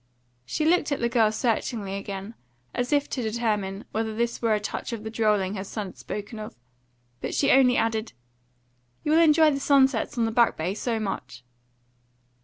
She looked at the girl searchingly again, as if to determine whether this were a touch of the drolling her son had spoken of. But she only added: "You will enjoy the sunsets on the Back Bay so much."